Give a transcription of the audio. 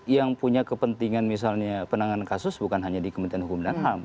yang punya kepentingan misalnya penanganan kasus bukan hanya di kementerian hukum dan ham